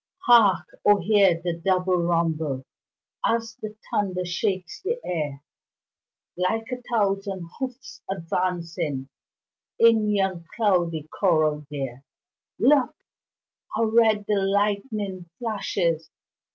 Hark! O hear the double rumble As the thunder shakes the air, Like a thousand hoofs advancing In yon cloudy corral there! Look! how red the lightning flashes!